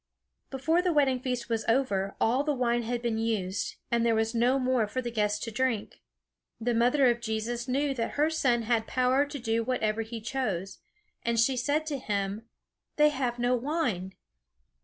Before the wedding feast was over, all the wine had been used, and there was no more for the guests to drink. The mother of Jesus knew that her son had power to do whatever he chose; and she said to him; "They have no wine."